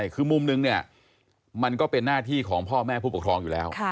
คือมุมนึงเนี่ยมันก็เป็นหน้าที่ของพ่อแม่ผู้ปกครองอยู่แล้ว